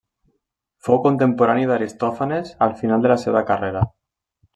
Fou contemporani d'Aristòfanes al final de la seva carrera.